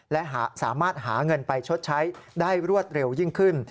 และสามารถหาเงินไปชดใช้ได้รวดเร็วยิ่งขึ้น